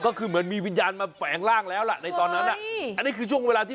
ก็คือเหมือนมีวิญญาณมาแฝงร่างแล้วล่ะในตอนนั้นอ่ะอันนี้คือช่วงเวลาที่